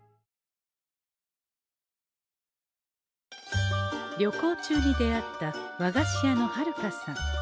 旅行中に出会った和菓子屋のはるかさん。